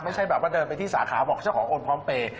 ไม่ใช่แบบว่าเดินไปที่สาขาบอกเจ้าของโอนพร้อมเปย์